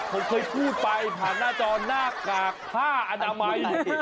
ผมเคยพูดไปผ่านหน้าจอหน้ากากผ้าอนามัย